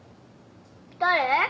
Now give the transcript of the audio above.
「誰？」